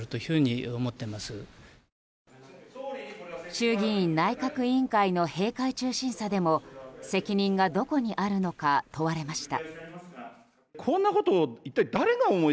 衆議院内閣委員会の閉会中審査でも責任がどこにあるのか問われました。